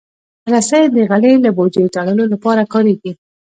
رسۍ د غلې له بوجۍ تړلو لپاره کارېږي.